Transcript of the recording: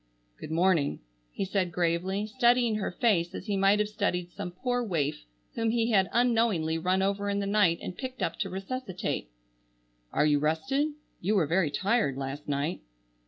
"Good morning," he said gravely, studying her face as he might have studied some poor waif whom he had unknowingly run over in the night and picked up to resuscitate. "Are you rested? You were very tired last night."